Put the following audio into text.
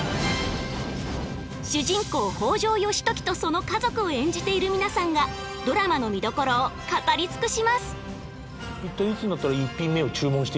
主人公北条義時とその家族を演じている皆さんがドラマの見どころを語り尽くします。